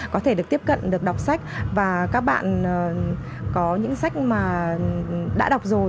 có thể được tiếp cận được đọc sách và các bạn có những sách mà đã đọc rồi